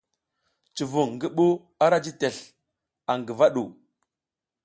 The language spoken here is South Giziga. Cuvung ngi ɓuh ara ji tesl aƞ ngəva ɗu.